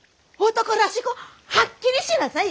男らしくはっきりしなさい！